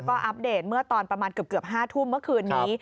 ก็อัปเดตเมื่อตอนประมาณเกือบ๕ทุ่มเมื่อคืนนี้